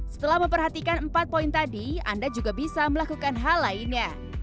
setelah memperhatikan empat poin tadi anda juga bisa melakukan hal lainnya